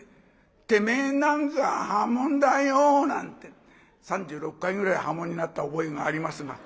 てめえなんざ破門だよ」なんて３６回ぐらい破門になった覚えがありますが。